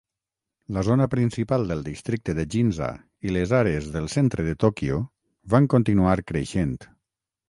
La zona principal del districte de Ginza i les àrees del centre de Tokyo van continuar creixent.